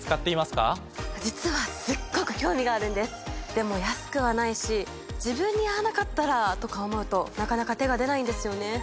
でも安くはないし自分に合わなかったらとか思うとなかなか手が出ないんですよね。